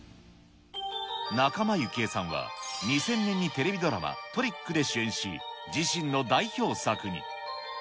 仲間由紀恵さんは２０００年にテレビドラマ、ＴＲＩＣＫで主演し、自身の代表作に。